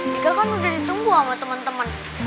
dika kan udah ditunggu sama temen temen